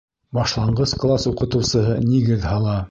Башланғыс класс укытыусыһы нигеҙ һала